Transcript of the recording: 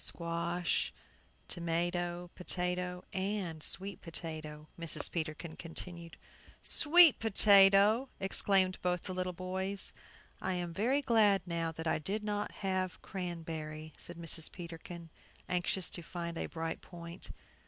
"Squash, tomato, potato, and sweet potato," Mrs. Peterkin continued. "Sweet potato!" exclaimed both the little boys. "I am very glad now that I did not have cranberry," said Mrs. Peterkin, anxious to find a bright point.